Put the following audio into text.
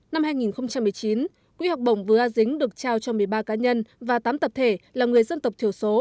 năm hai nghìn một mươi chín quỹ học bổng vừa a dính được trao cho một mươi ba cá nhân và tám tập thể là người dân tộc thiểu số